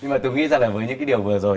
mà tôi nghĩ rằng là với những cái điều vừa rồi